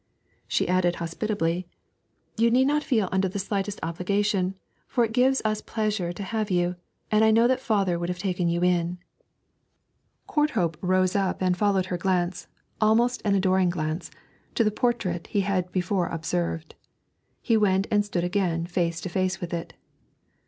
She added hospitably, 'You need not feel under the slightest obligation, for it gives us pleasure to have you, and I know that father would have taken you in.' Courthope rose up and followed her glance, almost an adoring glance, to the portrait he had before observed. He went and stood again face to face with it.